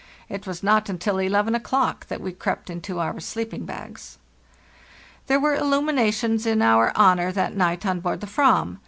It was not until 11 o'clock that we crept into our sleeping bags. There were illuminations in our honor that night on board the ram.